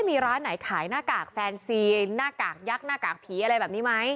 มีร้านไหนขายหน้ากากแฟนซีหน้ากากยักษ์หน้ากากผีอะไรแบบนี้ไหม